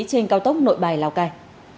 trên cao tốc nội bài lào cai